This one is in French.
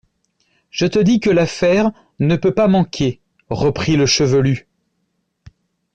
Je te dis que l'affaire ne peut pas manquer, reprit le chevelu.